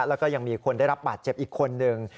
แล้วก็ยังมีคนได้รับบาดเจ็บอีกคนนึง